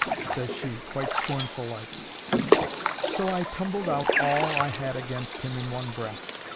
says she, quite scornful like. So I tumbled out all I had against him in one breath.